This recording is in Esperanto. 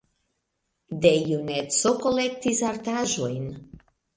De juneco kolektis artaĵojn.